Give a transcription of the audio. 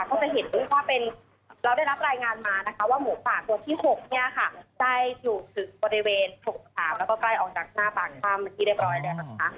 ก็จะเห็นว่าเป็นเราได้รับรายงานมานะคะว่าหมูป่าตัวที่๖เนี่ยค่ะได้อยู่ถึงบริเวณ๖๓แล้วก็ใกล้ออกจากหน้าปากถ้ำเป็นที่เรียบร้อยแล้วนะคะ